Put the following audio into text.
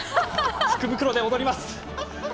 福袋で踊ります。